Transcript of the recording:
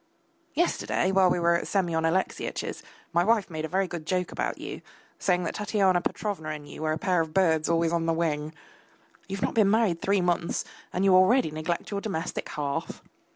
Yesterday, while we were at Semyon Alexeyitch's, my wife made a very good joke about you, saying that Tatyana Petrovna and you were a pair of birds always on the wing. You have not been married three months and you already neglect your domestic hearth.